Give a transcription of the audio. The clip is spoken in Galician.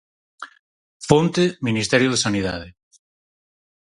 Fonte: Ministerio de Sanidade.